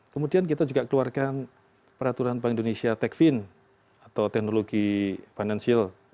kemudian kita juga keluarkan peraturan bank indonesia techfin atau teknologi financial